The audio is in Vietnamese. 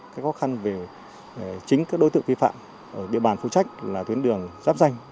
cái khó khăn về chính các đối tượng vi phạm ở địa bàn phụ trách là tuyến đường giáp danh